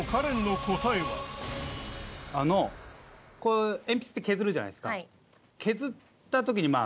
あのこう鉛筆って削るじゃないですか。